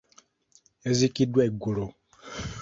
Yaziikiddwa eggulo.